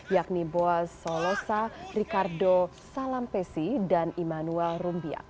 yakni boa solosa ricardo salampesi dan immanuel rumbiak